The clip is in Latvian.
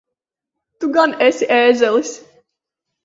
Tu gan esi ēzelis!